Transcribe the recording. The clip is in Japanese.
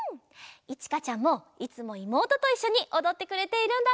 いちかちゃんもいつもいもうとといっしょにおどってくれているんだって。